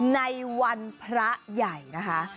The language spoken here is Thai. ในวันพระใหญ่นะคะ